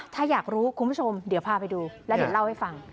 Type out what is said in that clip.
ถ้าอยากรู้คุณผู้ชมเดี๋ยวพาไปดูแล้วเดี๋ยวเล่าให้ฟัง